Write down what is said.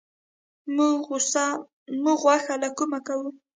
موږ غوښه له کومه کوو؟